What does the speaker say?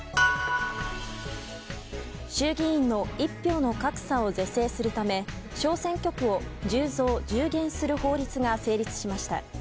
衆議院の一票の格差を是正するため小選挙区を１０増１０減する法律が成立しました。